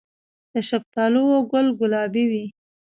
د شفتالو ګل ګلابي وي؟